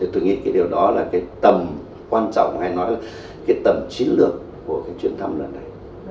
tôi nghĩ điều đó là tầm quan trọng hay nói là tầm chiến lược của chuyến thăm lần này